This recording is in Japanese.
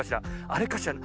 あれかしら？